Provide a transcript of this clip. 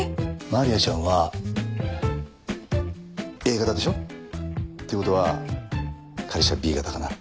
まりあちゃんはＡ型でしょ？って事は彼氏はＢ型かな？